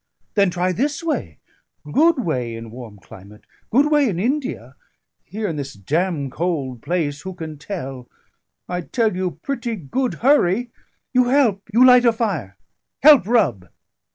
Then try this way: good way in warm climate, good way in India; here, in this dam cold place, who can tell? I tell you pretty good hurry: you help, you light a fire, help rub."